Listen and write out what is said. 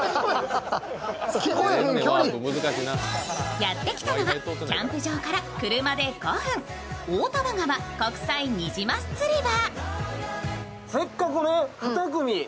やってきたのはキャンプ場から車で５分、大丹波川国際虹ます釣り場。